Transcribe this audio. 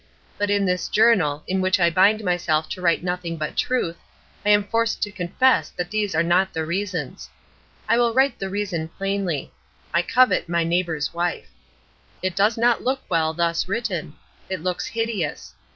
But in this journal, in which I bind myself to write nothing but truth, I am forced to confess that these are not the reasons. I will write the reason plainly: "I covet my neighbour's wife." It does not look well thus written. It looks hideous.